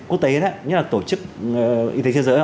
quốc tế nhất là tổ chức y tế xây dựng